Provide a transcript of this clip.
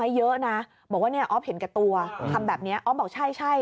ไม่เยอะนะบอกว่าออฟเห็นแก่ตัวทำแบบนี้ออฟบอกใช่